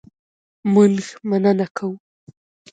مونږ مننه کوو